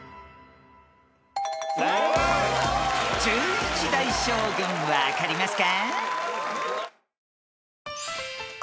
［１１代将軍分かりますか？］